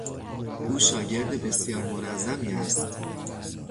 او شاگرد بسیار منظمی است.